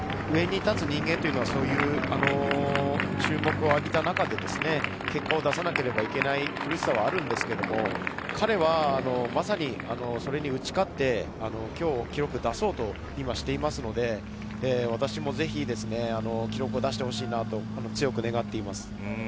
上に立つ人間というのは、注目を浴びた中で結果を出さなければいけない苦しさはあるんですけど、彼はまさにそれに打ち勝って、今日記録を出そうと今、していますので、私もぜひ記録を出してほしいなと強く願っています。